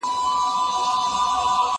زه کولای سم کتابونه وليکم!.!.